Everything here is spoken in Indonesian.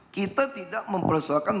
kita tidak mempersoalkan